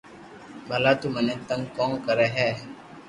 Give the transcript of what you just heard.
ڀلا تو مني تنگ ڪو ڪري ھيي